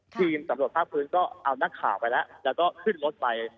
ทีมสำรวจภาคพื้นก็เอานักข่าวไปแล้วแล้วก็ขึ้นรถไป